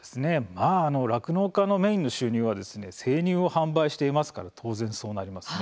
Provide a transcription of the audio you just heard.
まあ、酪農家のメインの収入は生乳を販売して得ますから当然そうなりますね。